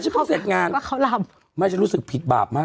ผู้อาศัยใช่ไหม